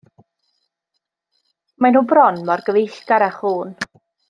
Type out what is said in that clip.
Maen nhw bron mor gyfeillgar â chŵn.